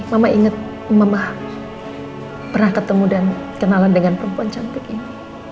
mama inget mama pernah ketemu dan kenalan dengan perempuan cantik ini